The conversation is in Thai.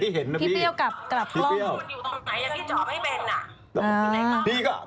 อยู่ตรงมายะที่จอไม่เป็น๓๕๕